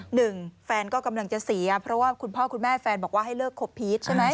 หนึ่งแฟนก็กำลังจะเสียเพราะว่าคุณพ่อคุณแม่แฟนบอกว่าให้เลิกคบพีชใช่ไหม